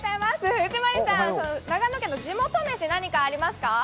藤森さん、長野県の地元飯、何かありますか？